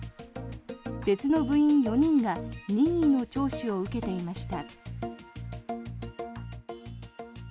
別の部員４人が任意の聴取を受けていました。